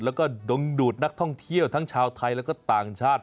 แล้วก็ดงดูดนักท่องเที่ยวทั้งชาวไทยแล้วก็ต่างชาติ